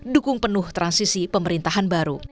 dukung penuh transisi pemerintahan baru